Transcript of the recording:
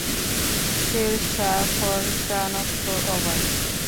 Sher Shah for Chanakya, over!